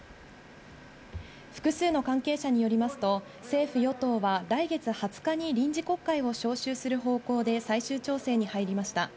複数の関係者によりますと、政府・与党は来月２０日に臨時国会を召集する方向で最終調整に入りました。